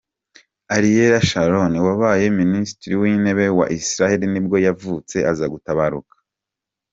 Ariel Sharon, wabaye minisitiri w’intebe wa Israel nibwo yavutse, za gutabaruka mu .